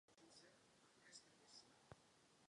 Zakoušíme diskriminaci v každé oblasti života.